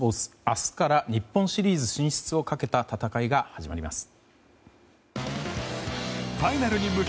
明日から日本シリーズ進出をかけた戦いが始まります。